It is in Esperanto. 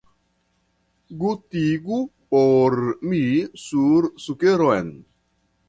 Gutigu por mi sur sukeron!